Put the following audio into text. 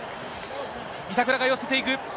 板倉が寄せていく。